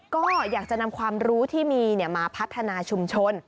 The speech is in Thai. ก็อยากจะนำความรู้ที่มีมาพัฒนาชุมชน